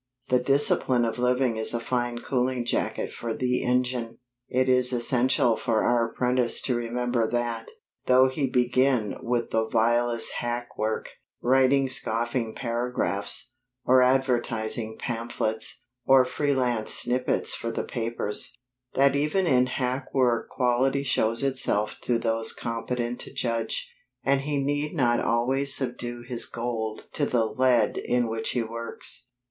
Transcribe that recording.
The discipline of living is a fine cooling jacket for the engine. It is essential for our apprentice to remember that, though he begin with the vilest hack work writing scoffing paragraphs, or advertising pamphlets, or freelance snippets for the papers that even in hack work quality shows itself to those competent to judge; and he need not always subdue his gold to the lead in which he works.